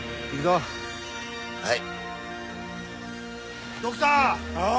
はい！